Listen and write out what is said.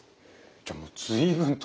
じゃもう随分とね。